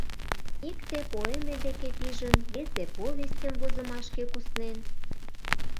Икте поэме деке пижын, весе повестьым возымашке куснен.